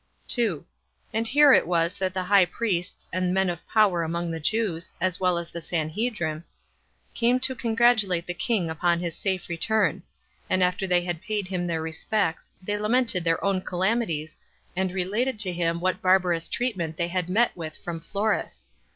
2. And here it was that the high priests, and men of power among the Jews, as well as the sanhedrim, came to congratulate the king [upon his safe return]; and after they had paid him their respects, they lamented their own calamities, and related to him what barbarous treatment they had met with from Florus.